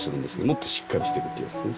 もっとしっかりしてるってやつね